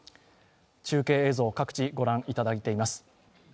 中継映像、各地御覧いただいています。